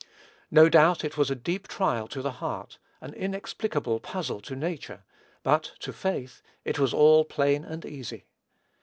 No doubt it was a deep trial to the heart, an inexplicable puzzle to nature; but to faith it was all plain and easy.